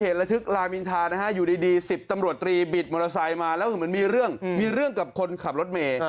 ระทึกลามินทานะฮะอยู่ดี๑๐ตำรวจตรีบิดมอเตอร์ไซค์มาแล้วเหมือนมีเรื่องมีเรื่องกับคนขับรถเมย์